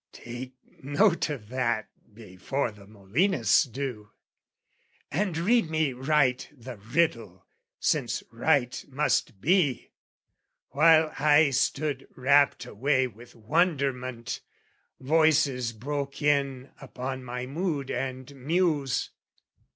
Take note of that, before the Molinists do, And read me right the riddle, since right must be! While I stood rapt away with wonderment, Voices broke in upon my mood and muse.